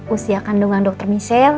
usia kandungan dokter michelle